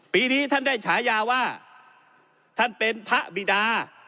ปีนี้ท่านได้ฉายาว่าท่านเป็นพระบิดา